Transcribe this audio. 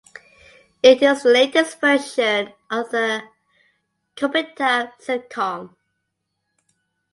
It is the latest version of the Kopitiam sitcom.